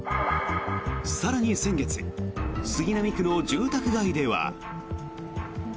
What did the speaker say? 更に先月杉並区の住宅街では。